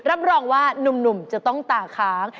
รับรองว่านุ่มจะต้องตาค้าง